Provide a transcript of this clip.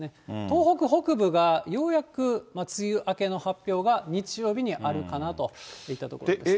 東北北部はようやく梅雨明けの発表が、日曜日にあるかなといったところです。